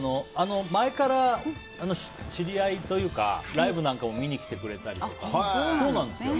前から知り合いというかライブなんかも見に来てくれたりとか。